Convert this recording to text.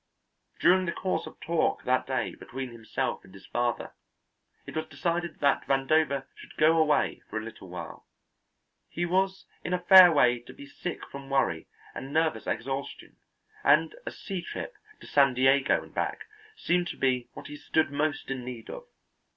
During the course of talk that day between himself and his father, it was decided that Vandover should go away for a little while. He was in a fair way to be sick from worry and nervous exhaustion, and a sea trip to San Diego and back seemed to be what he stood most in need of.